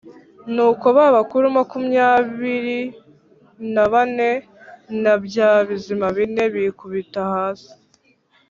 Nuko ba bakuru makumyabiri na bane na bya bizima bine bikubita hasi,